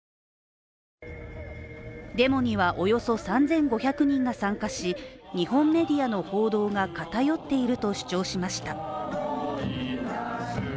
デモにはおよそ３５００人が参加し日本メディアの報道が偏っていると主張しました。